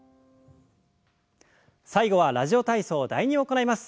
最後は「ラジオ体操第２」を行います。